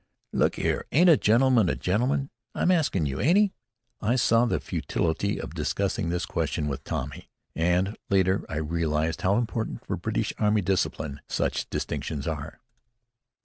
"Look 'ere! Ain't a gentleman a gentleman? I'm arskin' you, ain't 'e?" I saw the futility of discussing this question with Tommy. And later, I realized how important for British army discipline such distinctions are.